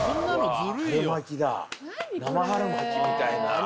生春巻きみたいな。